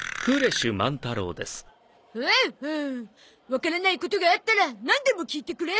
わからないことがあったらなんでも聞いてくれ。